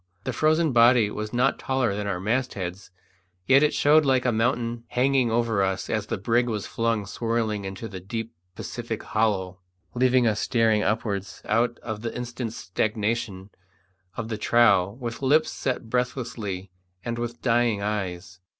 The frozen body was not taller than our mastheads, yet it showed like a mountain hanging over us as the brig was flung swirling into the deep Pacific hollow, leaving us staring upwards out of the instant's stagnation of the trough with lips set breathlessly and with dying eyes.